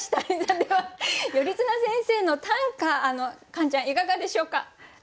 では頼綱先生の短歌カンちゃんいかがでしょうか？